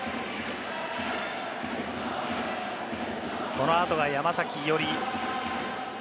この後が山崎伊織。